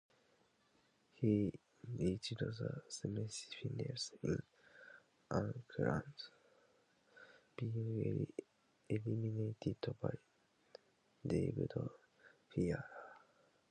He reached the semifinals in Auckland, being eliminated by David Ferrer.